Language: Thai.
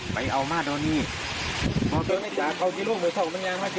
เห็นแล้ว